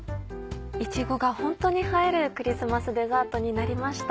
いちごがホントに映えるクリスマスデザートになりました。